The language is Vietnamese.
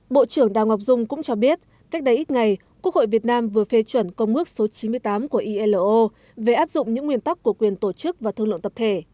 bộ trưởng đào ngọc dung cũng cho biết cách đây ít ngày quốc hội việt nam vừa phê chuẩn công mức số chín mươi tám của ilo về áp dụng những nguyên tắc của quyền tổ chức và thương lượng tập thể